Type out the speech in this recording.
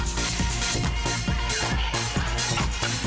pergi pergi pergi